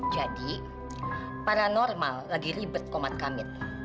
jadi paranormal lagi ribet komat kamit